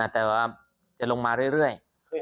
แต่ว่าจะลงมาเรื่อย